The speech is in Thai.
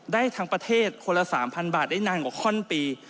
ได้ทั้งประเทศคนละ๓๐๐บาทได้นานกว่าข้อนปี